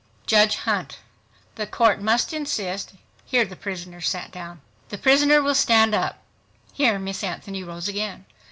JUDGE HUNT—The Court must insist (here the prisoner sat down). The prisoner will stand up. (Here Miss Anthony rose again.)